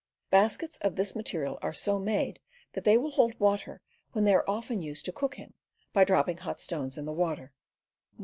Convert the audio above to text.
Baskets of this material are so made that they will hold water, and they are often used to cook in, by dropping hot stones in the water.